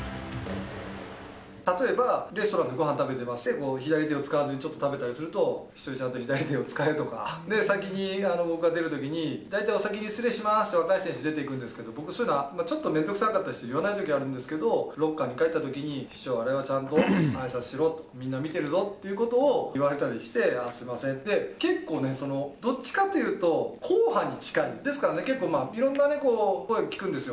例えば、レストランでごはん食べてますね、左手を使わずにちょっと食べたりすると、稀哲、ちゃんと左手を使えとか、先に僕が出るときに、大体お先に失礼しますって出ていくんですけど、僕、そういうのは、ちょっと面倒くさかったりして、言わないときあるんですけど、ロッカーに帰ったときに、ヒチョ、あれはちゃんとあいさつしろ、みんな見てるぞっていうことを言われたりして、ああ、すみませんって、結構ね、そのどっちかっていうと硬派に近い、ですから結構、いろんなね、声聞くんですよ。